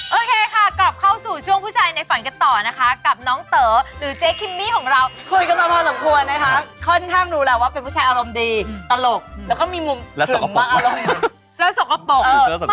โอเคค่ะกลับเข้าสู่ช่วงผู้ชายในฝันกันต่อนะคะกับน้องเต๋อหรือเจ๊คิมมี่ของเราคุยกันมาพอสมควรนะคะค่อนข้างรู้แล้วว่าเป็นผู้ชายอารมณ์ดีตลกแล้วก็มีมุมเสื้อสกปรก